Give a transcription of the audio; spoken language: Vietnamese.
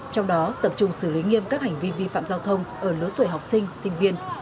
trong đó tập trung xử lý nghiêm các hành vi vi phạm giao thông ở lứa tuổi học sinh sinh viên